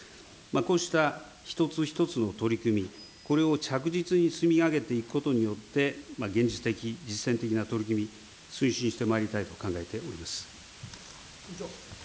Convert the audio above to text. こうした一つ一つの取り組み、これを着実に着実に積み上げていくことによって、現実的、実践的な取り組み、推進してまいりたいと考えております。